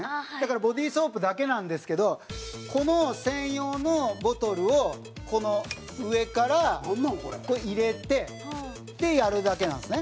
ボディーソープだけなんですけどこの専用のボトルをこの上から入れてやるだけなんですね。